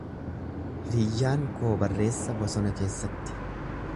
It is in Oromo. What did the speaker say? Hiriyyaan koo barreessa bosona keessatti.